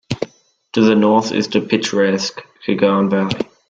To the north is the picturesque Kaghan Valley.